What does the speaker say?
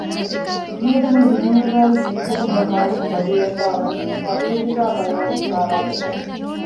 މިއަދު މުޅި ދުނިޔޭގައިވެސް މީސްތަކުންގެ ޙާލަތު ބަދަލުވެފައިވަނީ މި ޙަދީޘުގައި ބަޔާން ވެފައިވާ ގޮތަށް